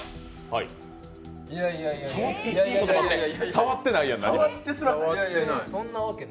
触ってないやん、何も。